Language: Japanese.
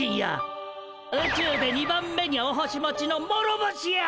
宇宙で２番目にお星持ちの諸星や！